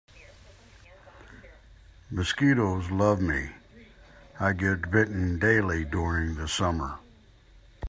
Mosquitoes love me, I get bitten daily during the summer.